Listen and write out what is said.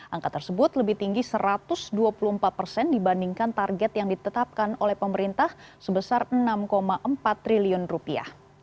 angka tersebut lebih tinggi satu ratus dua puluh empat persen dibandingkan target yang ditetapkan oleh pemerintah sebesar enam empat triliun rupiah